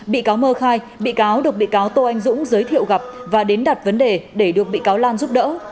bị cáo mơ khai bị cáo được bị cáo tô anh dũng giới thiệu gặp và đến đặt vấn đề để được bị cáo lan giúp đỡ